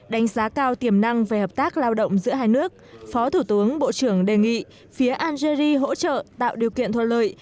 đánh giá cao tiềm năng về hợp tác lao động giữa hai nước phó thủ tướng bộ trưởng đề nghị phía algeri hỗ trợ tạo điều kiện thuận lợi